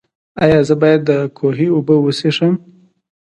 ایا زه باید د کوهي اوبه وڅښم؟